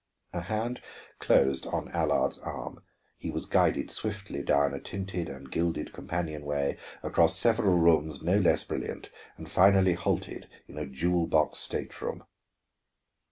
A hand closed on Allard's arm; he was guided swiftly down a tinted and gilded companionway, across several rooms no less brilliant, and finally halted in a jewel box state room.